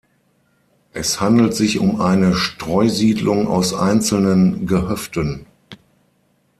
Es handelt sich um eine Streusiedlung aus einzelnen Gehöften.